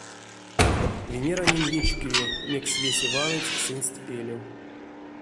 Венеранень вечкеви, мекс весе ваныть сынст пелев.